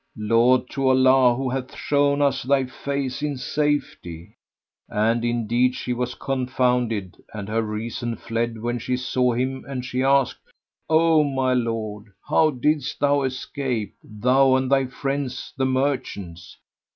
Laud to Allah who hath shown us thy face in safety!" And indeed she was confounded and her reason fled when she saw him, and she asked, "O, my lord, how didst thou escape, thou and thy friends the merchants?"